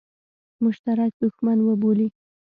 مشترک دښمن وبولي.